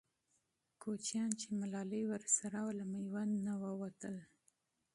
کوچیان چې ملالۍ ورسره وه، له میوند نه ووتل.